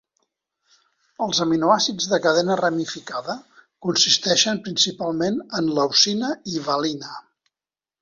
Els aminoàcids de cadena ramificada consisteixen principalment en leucina i valina.